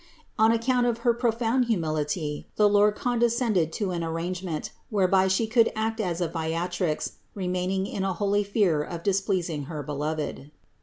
On account of her pro found humility the Lord condescended to an arrange ment, whereby She could act as a Viatrix remaining in a holy fear of displeasing her Beloved.